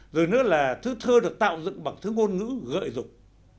rồi nữa là thứ thơ được tạo dựng bằng thứ ngôn ngữ gợi dục